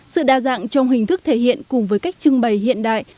sự đa dạng trong hình thức thể hiện cùng với cách trưng bày hiện đại